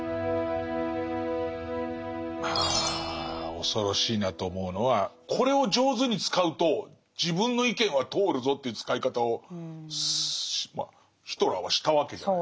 ああ恐ろしいなと思うのはこれを上手に使うと自分の意見は通るぞという使い方をヒトラーはしたわけじゃないですか。